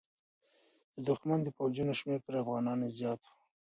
د دښمن د پوځونو شمېر تر افغانانو زیات و.